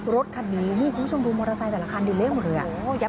รถคันนี้นี่คุณผู้ชมดูมอเตอร์ไซค์แต่ละคันดิเละหมดเลย